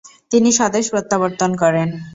তিনি স্বদেশ প্রত্যাবর্তন করেন।